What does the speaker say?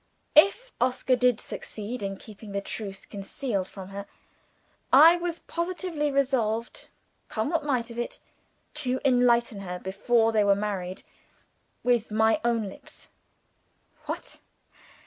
If Oscar did succeed in keeping the truth concealed from her, I was positively resolved, come what might of it, to enlighten her before they were married, with my own lips. What!